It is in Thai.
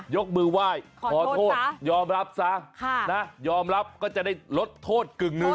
ยกมือไหว้ขอโทษยอมรับซะนะยอมรับก็จะได้ลดโทษกึ่งหนึ่ง